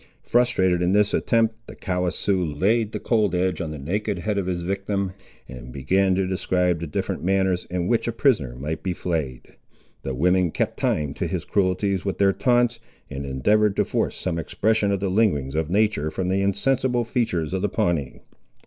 Frustrated in this attempt, the callous Sioux laid the cold edge on the naked head of his victim, and began to describe the different manners, in which a prisoner might be flayed. The women kept time to his cruelties with their taunts, and endeavoured to force some expression of the lingerings of nature from the insensible features of the Pawnee.